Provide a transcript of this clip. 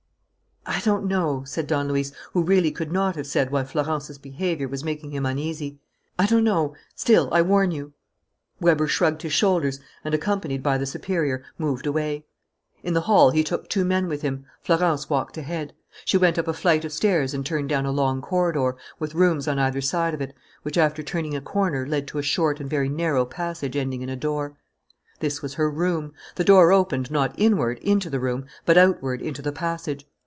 "I don't know," said Don Luis, who really could not have said why Florence's behaviour was making him uneasy. "I don't know. Still, I warn you " Weber shrugged his shoulders and, accompanied by the superior, moved away. In the hall he took two men with him. Florence walked ahead. She went up a flight of stairs and turned down a long corridor, with rooms on either side of it, which, after turning a corner, led to a short and very narrow passage ending in a door. This was her room. The door opened not inward, into the room, but outward, into the passage.